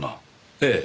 ええ。